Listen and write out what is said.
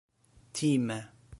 time